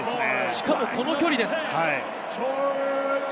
しかもこの距離です。